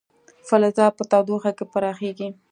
فلزات په تودوخه کې پراخېږي.